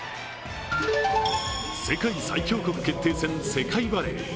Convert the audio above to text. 世界最強国決定戦、世界バレー。